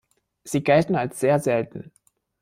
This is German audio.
Sie gelten als sehr selten.